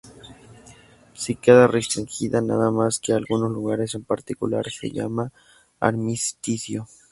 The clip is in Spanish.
Si queda restringida nada más que a algunos lugares en particular se llama "armisticio".